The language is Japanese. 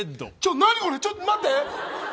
何これ、ちょっと待って！